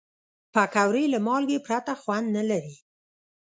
پکورې له مالګې پرته خوند نه لري